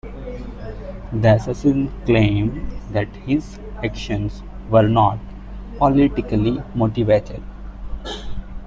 The assassin claimed that his actions were not "politically motivated".